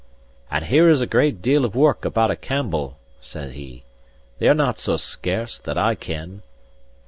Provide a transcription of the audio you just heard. "And here is a great deal of work about a Campbell!" said he. "They are not so scarce, that I ken!"